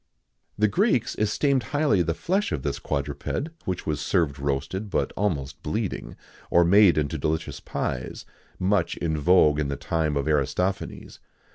The Greeks esteemed highly the flesh of this quadruped, which was served roasted, but almost bleeding,[XIX 93] or made into delicious pies,[XIX 94] much in vogue in the time of Aristophanes.